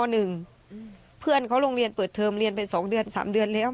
แล้วโรงเรียนเปิดเทอมเรียนไป๒เดือน๓เดือนแล้ว